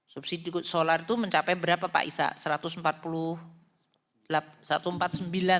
subsidi solar itu mencapai berapa pak isa satu ratus empat puluh delapan juta